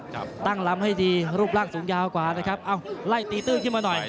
ตั้งลำให้ดีรูปร่างสูงยาวกว่านะครับเอ้าไล่ตีตื้นขึ้นมาหน่อย